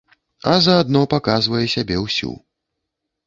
А заадно паказвае сябе ўсю.